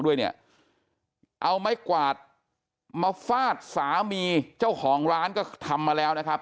ด้วยเนี่ยเอาไม้กวาดมาฟาดสามีเจ้าของร้านก็ทำมาแล้วนะครับ